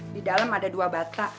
di dalam ada dua batak